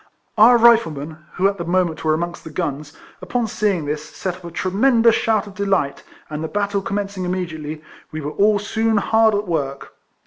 Our Riflemen (who at the moment were amongst the guns), upon seeing this, set up a tremendous shout of delight, and the RIFLEMAN HARRIS. 57 battle commencing immediately, we were all soon hard at work.